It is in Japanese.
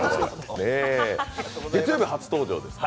月曜日初登場ですか。